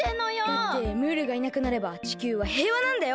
だってムールがいなくなれば地球はへいわなんだよ。